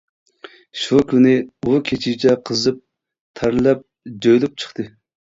شۇ كۈنى ئۇ كېچىچە قىزىپ، تەرلەپ، جۆيلۈپ چىتى.